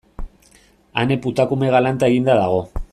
Ane putakume galanta eginda dago.